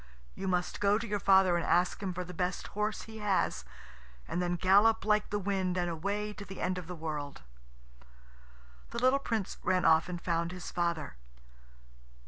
You must go to your father and ask him for the best horse he has, and then gallop like the wind, and away to the end of the world." The little Prince ran off and found his father.